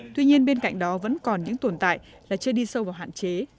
tuy nhiên bên cạnh đó vẫn còn những tồn tại là chưa đi sâu vào hạn chế